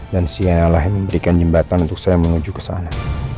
dan sienna lah yang memberikan jembatan untuk saya menuju ke sana